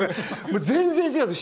全然違うんですよ